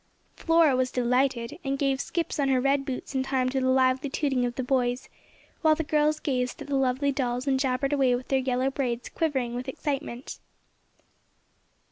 Flora was delighted, and gave skips on her red boots in time to the lively tooting of the boys, while the girls gazed at the lovely dolls and jabbered away with their yellow braids quivering with excitement.